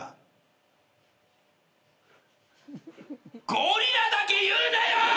ゴリラだけ言うなよ！